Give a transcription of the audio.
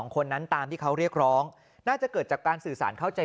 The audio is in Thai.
คนนั้นตามที่เขาเรียกร้องน่าจะเกิดจากการสื่อสารเข้าใจ